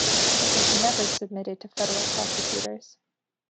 It was never submitted to federal prosecutors.